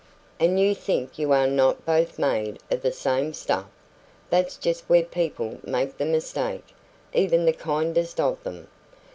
"And you think you are not both made of the same stuff? That's just where people make the mistake, even the kindest of them.